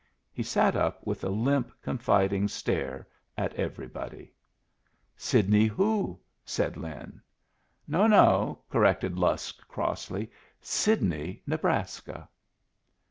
He sat up with a limp, confiding stare at everybody. "Sidney who?" said Lin. "No, no," corrected Lusk, crossly "Sidney, Nebraska."